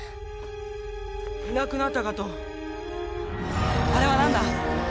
いなくなったかとあれは何だ？